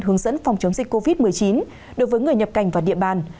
hướng dẫn phòng chống dịch covid một mươi chín đối với người nhập cảnh vào địa bàn